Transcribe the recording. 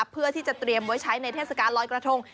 เพื่อที่จะเตรียมไว้ใช้ในเทศกาลลอยกระทง